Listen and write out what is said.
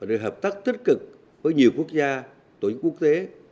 đã được hợp tác tích cực với nhiều quốc gia tổ chức quốc tế